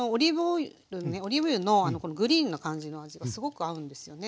オリーブ油のグリーンな感じの味がすごく合うんですよね。